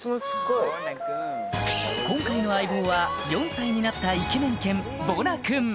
今回の相棒は４歳になったイケメン犬